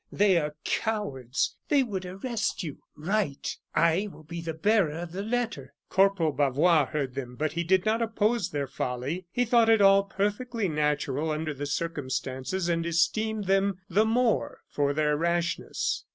They are cowards; they would arrest you. Write; I will be the bearer of the letter." Corporal Bavois heard them; but he did not oppose their folly. He thought it all perfectly natural, under the circumstances, and esteemed them the more for their rashness.